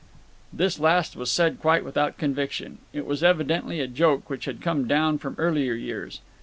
This last was said quite without conviction. It was evidently a joke which had come down from earlier years.